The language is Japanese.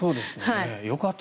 よかった。